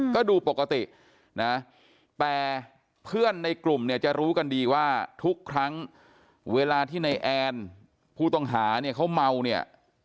ก็ดูปกตินะแต่เพื่อนในกลุ่มเนี่ยจะรู้กันดีว่าทุกครั้งเวลาที่ในแอนผู้ต้องหาเนี่ยเขาเมาเนี่ย